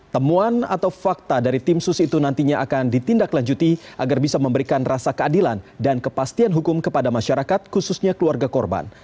temuan atau fakta dari tim sus itu nantinya akan ditindaklanjuti agar bisa memberikan rasa keadilan dan kepastian hukum kepada masyarakat khususnya keluarga korban